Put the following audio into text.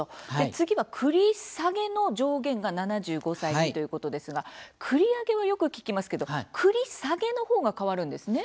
次は“繰り下げ”の上限が７５歳にということですが繰り上げは、よく聞きますけど繰り下げのほうが変わるんですね。